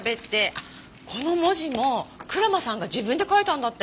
あっこの文字も蔵間さんが自分で書いたんだって。